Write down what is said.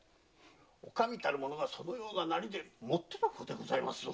お上たる者がそのような形でもってのほかでございますぞ。